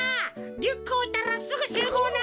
リュックおいたらすぐしゅうごうな！